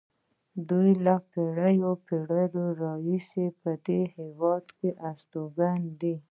دوی له پېړیو پېړیو راهیسې په دې هېواد کې استوګن دي.